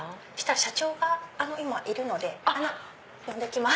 社長が今いるので呼んできます。